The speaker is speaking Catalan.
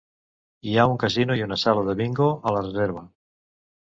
Hi ha un casino i una sala de bingo a la reserva.